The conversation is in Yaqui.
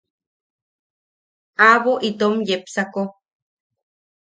Aʼabo itom yepsako.